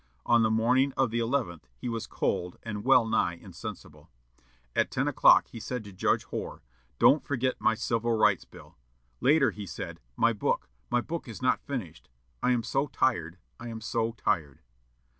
On the morning of the eleventh he was cold and well nigh insensible. At ten o'clock he said to Judge Hoar, "Don't forget my Civil Rights Bill." Later, he said, "My book! my book is not finished.... I am so tired! I am so tired!"